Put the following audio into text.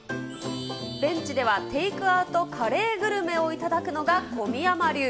ベンチではテイクアウトカレーグルメを頂くのが小宮山流。